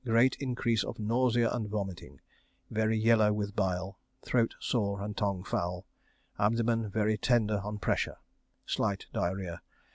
Great increase of nausea and vomiting very yellow with bile. Throat sore and tongue foul. Abdomen very tender on pressure. Slight diarrhoea.